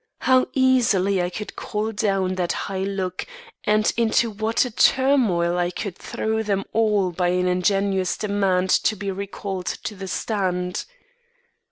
How easily I could call down that high look, and into what a turmoil I could throw them all by an ingenuous demand to be recalled to the stand!